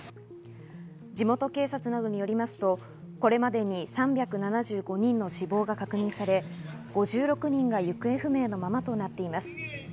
地元警察などによりますと、これまでに３７５人の死亡が確認され、５６人が行方不明のままとなっています。